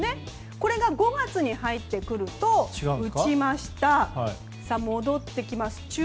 これが５月に入ってくると打ちました、戻ってきます。